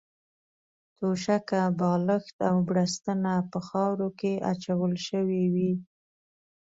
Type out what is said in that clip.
توشکه، بالښت او بړستنه په خاورو کې اچول شوې وې.